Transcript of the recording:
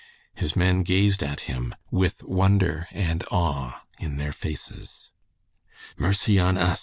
His men gazed at him with wonder and awe in their faces. "Mercy on us!